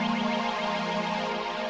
kami kita bersama sama tujuh puluh x lima belas